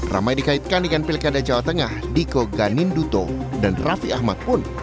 ramai dikaitkan dengan pilih kedai jawa tengah diko ganinduto dan rafi ahmad pun